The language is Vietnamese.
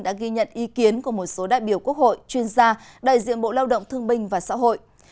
đã ghi nhận ý kiến của một số đại biểu quốc hội chuyên gia đại diện bộ lao động thương binh và xã hội